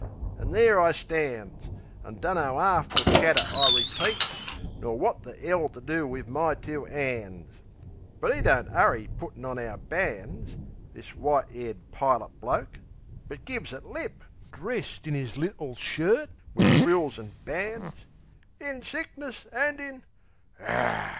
An' there I stands, An' dunno'arf the chatter I repeats, Nor wot the 'ell to do wiv my two 'ands. But 'e don't 'urry puttin' on our brands This white 'aired pilot bloke but gives it lip, Dressed in 'is little shirt, wiv frills an' bands. "In sick ness an' in " Ar!